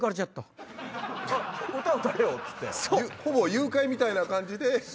誘拐みたいな感じで？